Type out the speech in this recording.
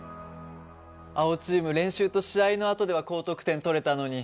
青チーム練習と試合のあとでは高得点取れたのに。